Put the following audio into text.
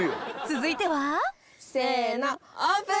続いてはせのオープン！